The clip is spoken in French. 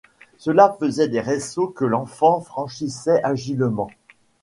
Cela fait des ressauts que l’enfant franchissait agilement.